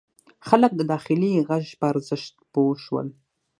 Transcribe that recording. خلک د داخلي غږ په ارزښت پوه شول.